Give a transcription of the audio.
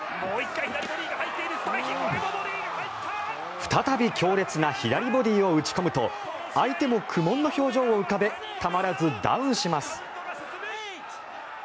再び強烈な左ボディーを打ち込むと相手も苦悶の表情を浮かべたまらずダウンします。